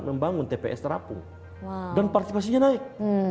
membangun tps terapung dan partisipasinya naik